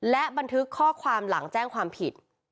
และบันทึกข้อความหลังแจ้งความผิด